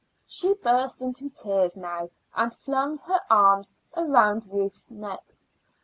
She burst into tears now and flung her arms around Ruth's neck.